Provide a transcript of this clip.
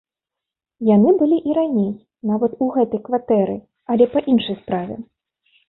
Яны былі і раней, нават у гэтай кватэры, але па іншай справе.